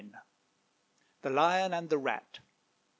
THE LION AND THE RAT.